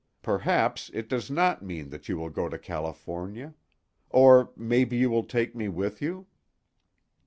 Perhaps it does not mean that you will go to California. Or maybe you will take me with you?"